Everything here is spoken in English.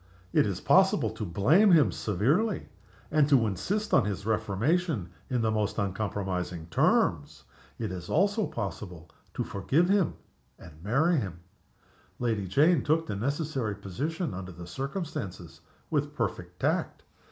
It is possible to blame him severely, and to insist on his reformation in the most uncompromising terms. It is also possible to forgive him, and marry him. Lady Jane took the necessary position under the circumstances with perfect tact.